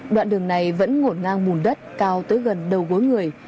đoạn đường này vẫn ngổn ngang mùn đất cao tới gần đầu gối người